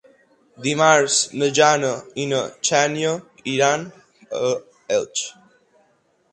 Dimarts na Jana i na Xènia iran a Elx.